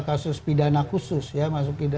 kasus pidana khusus ya